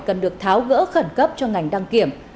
cần được tháo gỡ khẩn cấp cho ngành đăng kiểm